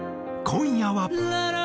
今夜は。